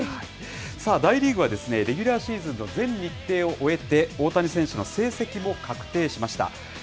大リーグはレギュラーシーズンの全日程を終えて、大谷選手の成績も確定しました。